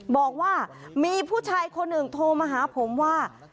บอกว่ามีผู้ชายคนหนึ่งโทรมาหาผมว่า